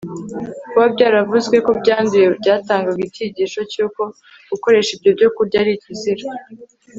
kuba byaravuzwe ko byanduye byatangaga icyigisho cy'uko gukoresha ibyo byokurya ari ikizira